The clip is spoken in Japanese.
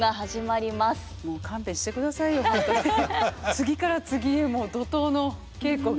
次から次へもう怒涛の稽古が。